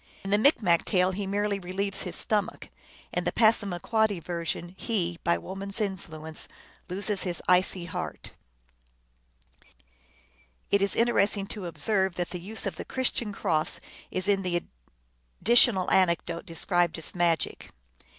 In the Micmac tale he merely relieves his stomach ; in the Passamaquoddy version he, by woman s influence, loses his icy heart. 250 THE ALGONQUIN LEGENDS. It is interesting to observe that the use of the Chris tian cross is in the additional anecdote described as magic.